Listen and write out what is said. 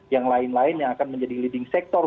yang lain lain yang akan menjadi leading sector